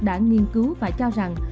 đã nghiên cứu và cho rằng